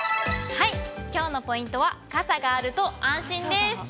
きょうのポイントは、傘があると安心です。